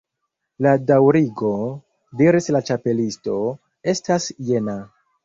"La daŭrigo," diris la Ĉapelisto, "estas jena.